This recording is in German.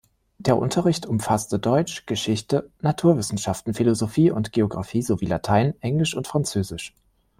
Der Unterricht umfasste Deutsch, Geschichte, Naturwissenschaften, Philosophie und Geographie sowie Latein, Englisch und Französisch.